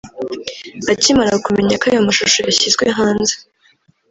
Akimara kumenya ko ayo mashusho yashyizwe hanze